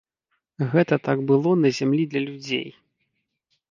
Гэта так было на зямлі для людзей.